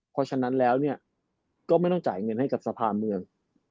เพราะฉะนั้นแล้วก็ไม่ต้องจ่ายเงินให้กับสภาเมือง